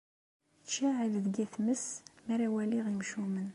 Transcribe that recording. Tettceɛɛil deg-i tmes mi ara waliɣ imcumen.